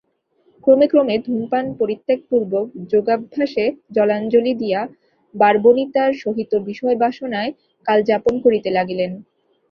ক্রমে ক্রমে ধূমপান পরিত্যাগপূর্বক যোগাভ্যাসে জলাঞ্জলি দিয়া বারবনিতার সহিত বিষয়বাসনায় কালযাপন করিতে লাগিলেন।